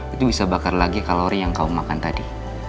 itu bisa bakar lagi kalori yang kau makan tadi